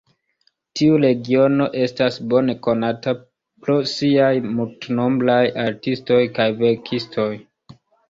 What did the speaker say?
Tiu regiono estas bone konata pro siaj multnombraj artistoj kaj verkistoj.